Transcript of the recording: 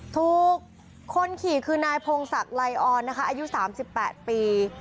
ทุกคนขี่คือนายพงศักดิ์ไลออนนะคะอายุสามสิบแปดปี